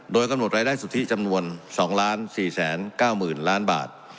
โดยกำหนดรายได้สุทธิจำนวน๒๔๙๐๐๐ล้านบาท